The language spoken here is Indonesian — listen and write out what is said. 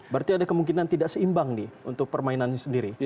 berarti ada kemungkinan tidak seimbang nih untuk permainannya sendiri